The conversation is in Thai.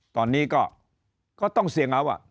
ตอนนี้ก็ต้องเสี่ยงเอา